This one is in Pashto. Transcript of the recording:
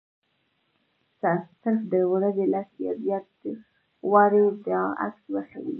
صرف د ورځې لس یا زیات وارې دا عکس وښيي.